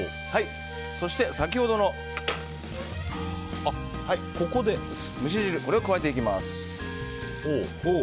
そして先ほどの蒸し汁を加えていきます。